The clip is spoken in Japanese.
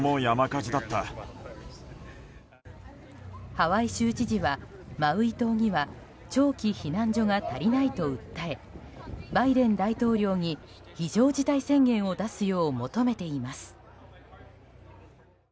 ハワイ州知事はマウイ島には長期避難所が足りないと訴えバイデン大統領に非常事態宣言を出すよう求めています。